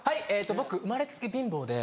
僕生まれつき貧乏で。